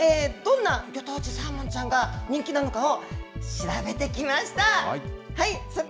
どんなぎょ当地サーモンちゃんが人気なのかを、調べてきました。